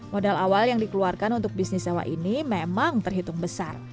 modal awal yang dikeluarkan untuk bisnis sewa ini memang terhitung besar